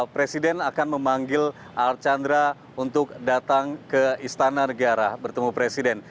presiden akan memanggil archandra untuk datang ke istana negara bertemu presiden